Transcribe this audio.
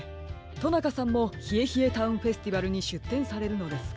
となかさんもひえひえタウンフェスティバルにしゅってんされるのですか？